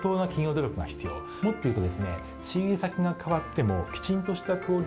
もっと言うと。